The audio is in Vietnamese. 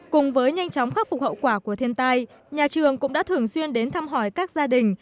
cùng với nhanh chóng khắc phục hậu quả của thiên tai nhà trường cũng đã thường xuyên đến thăm hỏi các gia đình